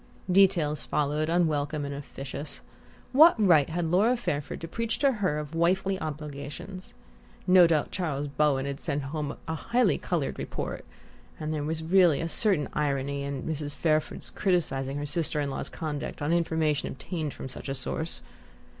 Details followed, unwelcome and officious. What right had Laura Fairford to preach to her of wifely obligations? No doubt Charles Bowen had sent home a highly coloured report and there was really a certain irony in Mrs. Fairford's criticizing her sister in law's conduct on information obtained from such a source!